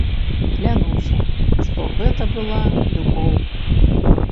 Клянуся, што гэта была любоў.